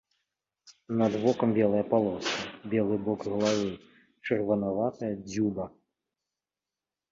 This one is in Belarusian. Над вокам белая палоска, белы бок галавы, чырванаватая дзюба.